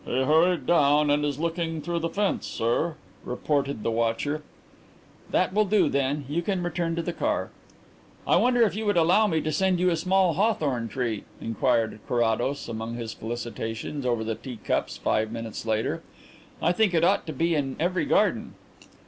"He hurried down and is looking through the fence, sir," reported the watcher. "That will do then. You can return to the car." "I wonder if you would allow me to send you a small hawthorn tree?" inquired Carrados among his felicitations over the teacups five minutes later. "I think it ought to be in every garden."